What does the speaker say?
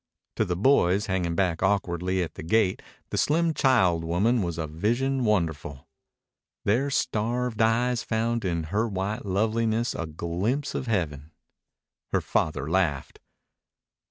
To the boys, hanging back awkwardly at the gate, the slim child woman was a vision wonderful. Their starved eyes found in her white loveliness a glimpse of heaven. Her father laughed.